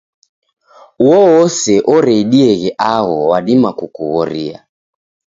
Uo ose oreidieghe agho wadima kukughoria.